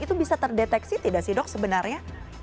itu bisa terdeteksi tidak sih dok sebenarnya